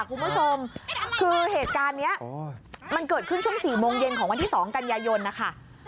คุณผู้ชมคือเหตุการณ์นี้มันเกิดขึ้นช่วง๔โมงเย็นของวันที่๒กันยายนนะคะ